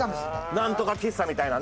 なんとか喫茶みたいなね。